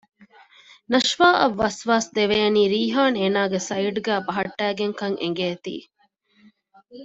ނަޝްވާ އަށް ވަސްވާސް ދެވޭނީ ރީހާން އޭނާގެ ސައިޑްގައި ބަހައްޓައިގެން ކަން އެނގޭތީ